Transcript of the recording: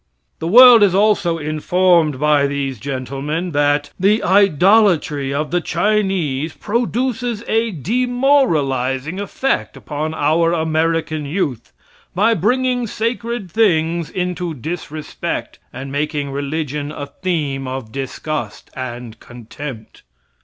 The world is also informed by these gentlemen that "the idolatry of the Chinese produces a demoralizing effect upon our American youth by bringing sacred things into disrespect, and making religion a theme of disgust and contempt."